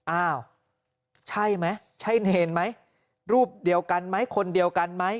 อ้าวใช่มั้ยใช่เนรมั้ยรูปเดียวกันมั้ยคนเดียวกันมั้ย